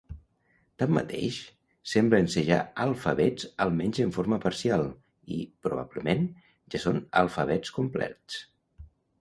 Tanmateix, semblen ser ja alfabets almenys en forma parcial i, probablement, ja són alfabets complets.